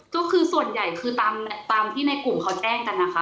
ก็คือส่วนใหญ่คือตามที่ในกลุ่มเขาแจ้งกันนะคะ